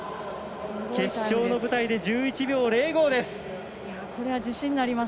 決勝の舞台で１１秒０５です。